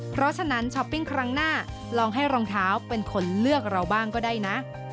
เพราะฉะนั้นช้อปปิ้งครั้งหน้าลองให้รองเท้าเป็นคนเลือกเราบ้างก็ได้นะ